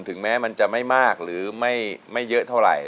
ถึงแม้มันจะไม่มากหรือไม่เยอะเท่าไหร่